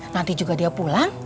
nanti juga dia pulang